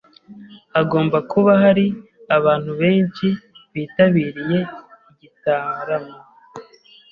Hagomba kuba hari abantu benshi bitabiriye igitaramo.